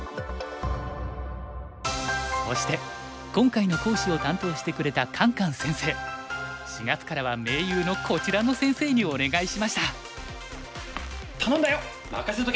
そして今回の講師を担当してくれたカンカン先生４月からは盟友のこちらの先生にお願いしました。